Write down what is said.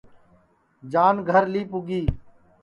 جان گھر لی پُگی